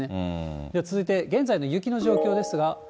では続いて、現在の雪の状況ですが。